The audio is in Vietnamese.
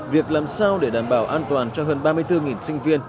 việc làm sao để đảm bảo an toàn cho hơn ba mươi bốn sinh viên